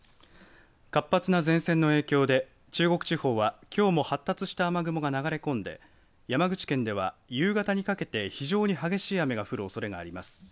活発な前線の影響で中国地方はきょうも発達した雨雲が流れ込んで山口県では夕方にかけて非常に激しい雨が降るおそれがあります。